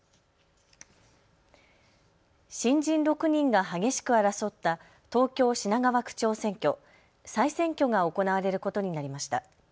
新人６人が激しく争った東京品川区長選挙、再選挙が行われることになりました。